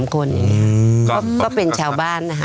ก็เป็นชาวบ้านนะฮะ